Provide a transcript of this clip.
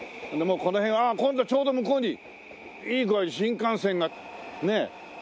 でこの辺ああ今度ちょうど向こうにいい具合に新幹線がね。